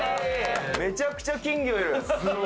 めちゃくちゃ金魚いる。